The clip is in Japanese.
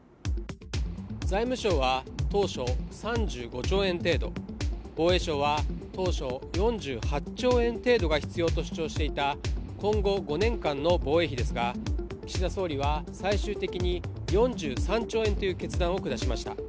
財務省は当初３５兆円程度、防衛省は当初４８兆円程度が必要と主張していた今後５年間の防衛費ですが岸田総理は最終的に、４３兆円という決断を下しました。